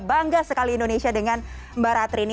bangga sekali indonesia dengan mbak ratri ini